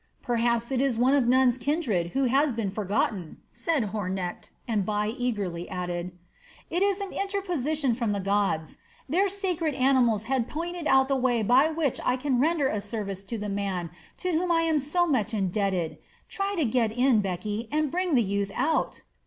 "Perhaps it is one of Nun's kindred, who has been forgotten," said Hornecht, and Bai eagerly added: "It is an interposition from the gods! Their sacred animals have pointed out the way by which I can render a service to the man to whom I am so much indebted. Try to get in, Beki, and bring the youth out."